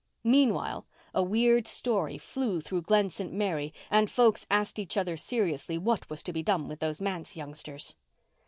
Meanwhile, a weird story flew through Glen St. Mary and folks asked each other seriously what was to be done with those manse youngsters.